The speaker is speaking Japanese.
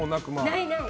ない、ない。